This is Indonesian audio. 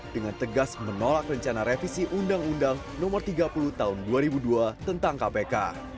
dengan tegas menolak rencana revisi undang undang no tiga puluh tahun dua ribu dua tentang kpk